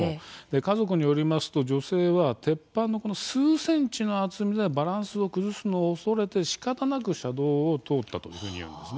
家族によると女性は鉄板の数ｃｍの厚みでバランスを崩すのを恐れてしかたなく車道を通ったというふうに言うんです。